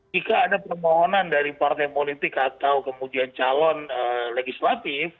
jika ada permohonan dari partai politik atau kemudian calon legislatif